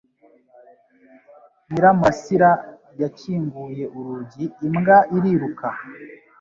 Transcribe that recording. Nyiramurasira yakinguye urugi imbwa iriruka.